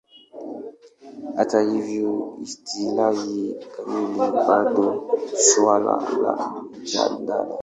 Hata hivyo, istilahi kamili bado suala la mjadala.